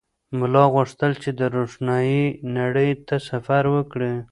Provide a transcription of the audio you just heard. ملا غوښتل چې د روښنایۍ نړۍ ته سفر وکړي.